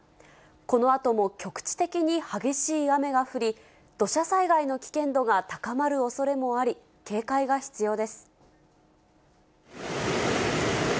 このあとも局地的に激しい雨が降り、土砂災害の危険度が高まるおそれもあり、警戒が必要です。